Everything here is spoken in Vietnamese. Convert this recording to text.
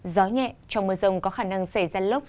gió nhẹ trong mưa rông có khả năng xảy ra lốc